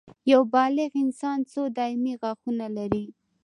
یو بالغ انسان څو دایمي غاښونه لري